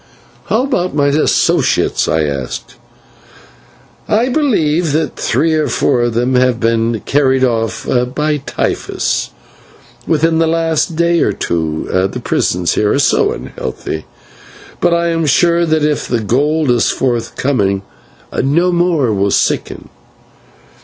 "How about my associates?" I asked. "I believe that three or four of them have been carried off by typhus within the last day or two, the prisons here are so unhealthy; but I am sure that if the gold is forthcoming, no more will sicken."